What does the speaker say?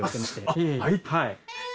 はい。